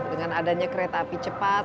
dengan adanya kereta api cepat